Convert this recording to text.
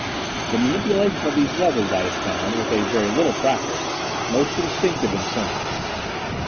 The manipulation of these levers I had found, with a very little practice, most instinctive and simple.